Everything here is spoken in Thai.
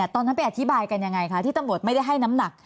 ตอนนั้นไปอธิบายกันยังไงคะที่ตำรวจไม่ได้ให้น้ำหนัก